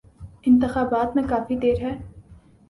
انتخابات میں کافی دیر ہے۔